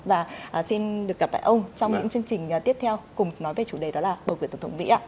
và xin được gặp lại ông trong những chương trình tiếp theo cùng nói về chủ đề đó là bầu cử tổng thống mỹ ạ